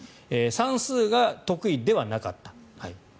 算数が得意ではなかった。